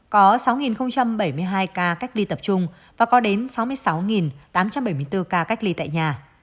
có sáu bảy mươi hai ca cách ly tập trung và có đến sáu mươi sáu tám trăm bảy mươi bốn ca cách ly tại nhà